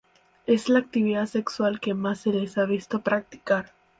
Es la actividad sexual que más se les ha visto practicar.